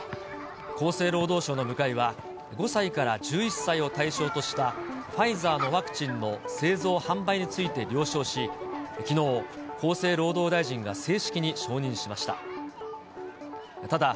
厚生労働省の部会は、５歳から１１歳を対象としたファイザーのワクチンの製造・販売について了承し、きのう、厚生労働大臣が正式に承認しました。